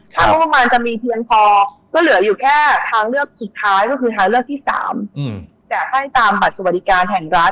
ถ้ามุมประมาณจะมีเพียงพอก็เหลืออยู่แค่ทางเลือกสุดท้าย